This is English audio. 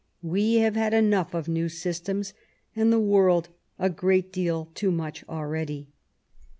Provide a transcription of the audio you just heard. We have had enough of new systems, and the world a great deal too much already.